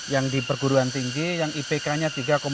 yang di perguruan tinggi yang ipk nya tiga empat